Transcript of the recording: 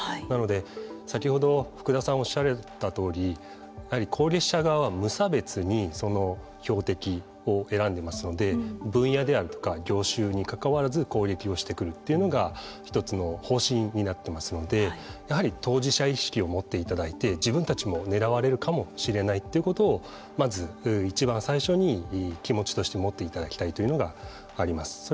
なので、先ほど福田さんがおっしゃられたとおり攻撃者側は、無差別にその標的を選んでますので分野であるとか業種にかかわらず攻撃をしてくるというのが１つの方針になってますのでやはり当事者意識を持っていただいて自分たちも狙われるかもしれないということをまずいちばん最初に気持ちとして持っていただきたいというのがあります。